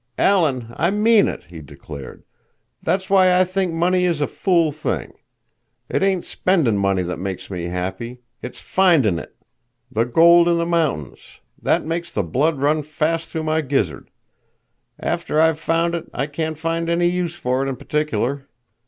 "Alan, I mean it!" he declared. "That's why I think money is a fool thing. It ain't spendin' money that makes me happy. It's findin' it—the gold in the mountains—that makes the blood run fast through my gizzard. After I've found it, I can't find any use for it in particular.